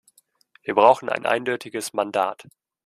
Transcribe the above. Wir brauchen ein eindeutiges Mandat.